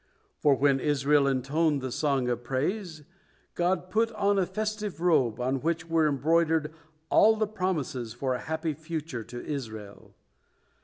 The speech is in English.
For when Israel intoned the song of praise, God put on a festive robe, on which were embroidered all the promises for a happy future to Israel.